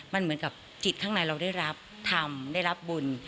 มันเหมือนกับจิตข้างในเราได้รับทำได้รับบุญ